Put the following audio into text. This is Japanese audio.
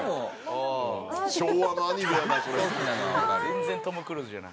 全然トム・クルーズじゃない。